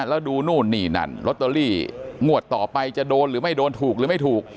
แล้วดูนู่นนี่นั่นลอตเตอรี่งวดต่อไปจะโดนหรือไม่โดนถูกหรือไม่ถูก